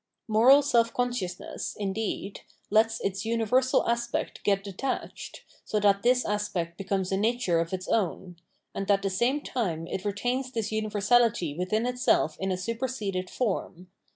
Moral self consciousness, indeed, lets its universal aspect get detached, so that this aspect becomes a nature of its own ; and at the same time it retains this universality within itself in a superseded form.